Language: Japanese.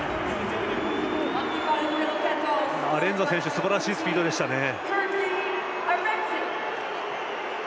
アレンザ選手すばらしいスピードでしたね。